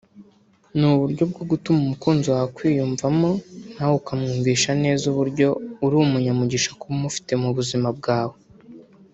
ni uburyo bwo gutuma umukunzi wawe akwiyumvamo nawe ukamwumvisha neza uburyo uri umunyamugisha kuba umufite mu buzima bwawe